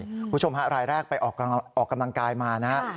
คุณผู้ชมฮะรายแรกไปออกกำลังกายมานะครับ